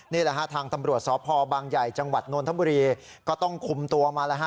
นี่แหละฮะทางตำรวจสพบางใหญ่จังหวัดนนทบุรีก็ต้องคุมตัวมาแล้วฮะ